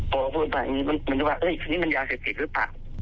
พอเขาพูดแบบนี้มันจะบอกนี่มันยาเสพติดหรือเปล่า